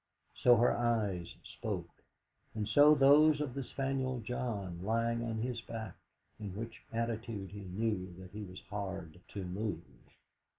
So her eyes spoke, and so those of the spaniel John, lying on his back, in which attitude he knew that he was hard to move.